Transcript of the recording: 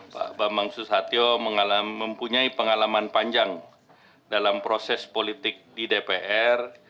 pak bambang susatyo mempunyai pengalaman panjang dalam proses politik di dpr